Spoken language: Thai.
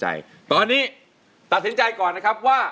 จังงัง